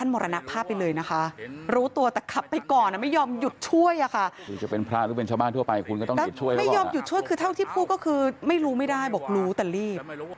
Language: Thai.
ไม่ยอมหยุดช่วยคือเท่าที่พูดก็คือไม่รู้ไม่ได้บอกรู้แต่รีบ